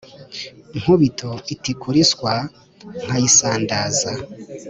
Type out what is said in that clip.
nkubito itikura iswa nkayisandaza,